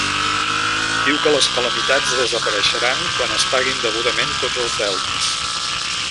Diu que les calamitats desapareixeran quan es paguin degudament tots els delmes.